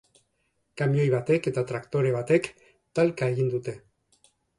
Kamioi batek eta traktore batek talka egin dute.